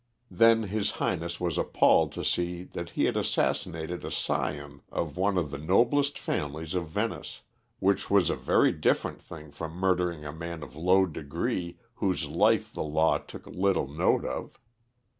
Then his Highness was appalled to see that he had assassinated a scion of one of the noblest families of Venice, which was a very different thing from murdering a man of low degree whose life the law took little note of.